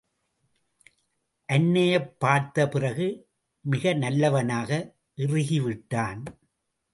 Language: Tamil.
அன்னையைப் பார்த்த பிறகு மிக நல்லவனாக இறுகி விட்டான்.